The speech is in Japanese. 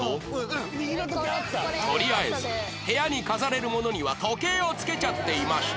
とりあえず部屋に飾れるものには時計を付けちゃっていました